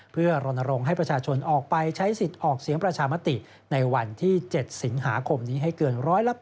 เพื่อรณรงค์ให้ประชาชนออกไปใช้สิทธิ์ออกเสียงประชามติในวันที่๗สิงหาคมนี้ให้เกิน๑๘๐